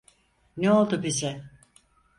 Ne oldu bize?